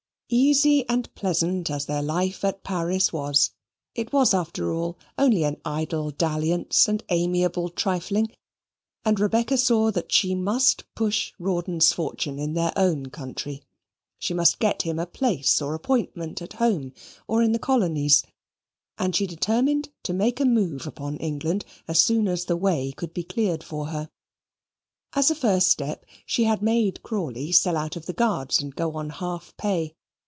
Easy and pleasant as their life at Paris was, it was after all only an idle dalliance and amiable trifling; and Rebecca saw that she must push Rawdon's fortune in their own country. She must get him a place or appointment at home or in the colonies, and she determined to make a move upon England as soon as the way could be cleared for her. As a first step she had made Crawley sell out of the Guards and go on half pay.